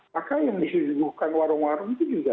maka yang disuguhkan warung warung itu juga